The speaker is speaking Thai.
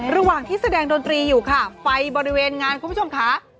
ระหว่างที่แสดงดนตรีอยู่ค่ะไฟบริเวณงานคุณผู้ชมค่ะ